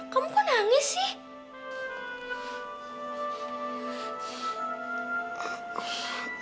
kamu kok nangis sih